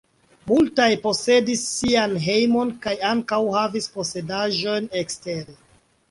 Multaj posedis sian hejmon kaj ankaŭ havis posedaĵojn ekstere.